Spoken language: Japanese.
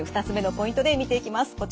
２つ目のポイントで見ていきます。